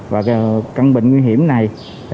và căn bệnh nguy hiểm này